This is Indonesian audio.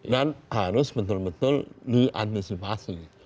harus betul betul diantisipasi